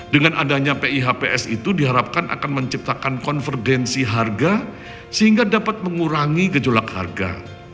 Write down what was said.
dengan adanya pihps itu diharapkan akan menciptakan konvergensi harga sehingga dapat mengurangi gejolak harga